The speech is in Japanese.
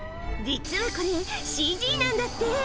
実はこれ、ＣＧなんだって。